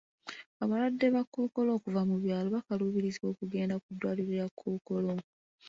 Abalwadde ba Kkookolo okuva mu byalo bakaluubirizibwa okugenda ku ddwaliro lya Kkookolo.